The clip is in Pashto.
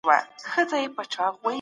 هر کس مسؤلیت لري.